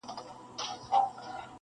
• منتظر مي د هغه نسیم رویبار یم -